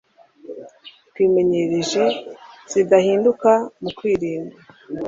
twimenyereje zidahinduka mu kwirinda